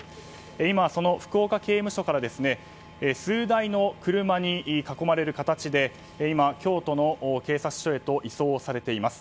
今、福岡刑務所から数台の車に囲まれる形で今、京都の警察署へと移送されています。